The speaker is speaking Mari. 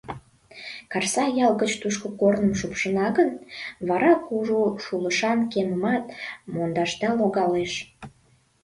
Карсак ял гыч тушко корным шупшына гын, вара кужу шулышан кемымат мондашда логалеш.